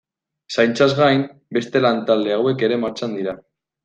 Zaintzaz gain, beste lantalde hauek ere martxan dira.